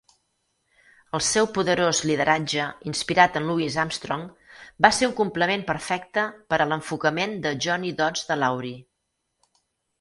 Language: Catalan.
El seu poderós lideratge, inspirat en Louis Armstrong, va ser un complement perfecte per a l'enfocament de Johnny Dodds de Laurie.